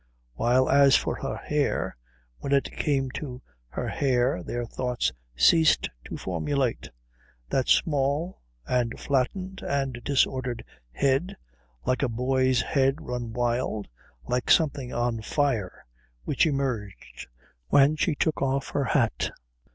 While as for her hair, when it came to her hair their thoughts ceased to formulate. That small and flattened and disordered head, like a boy's head run wild, like something on fire, which emerged when she took off her hat....